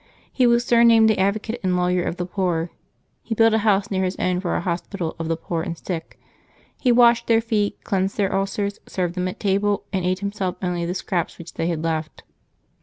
He was surnamed the advo cate and law}Tr of the poor. He built a house near his own for a hospital of the poor and sick; he washed their feet, cleansed their ulcers, served them at table, and ate himself only the scraps which they had left.